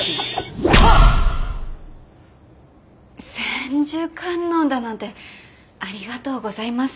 千手観音だなんてありがとうございます。